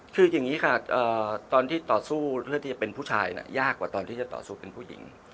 คืออย่างนี้ค่ะตอนที่ต่อสู้เพื่อที่จะเป็นผู้ชายยากกว่าตอนที่จะต่อสู้เป็นผู้หญิง